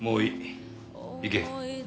行け。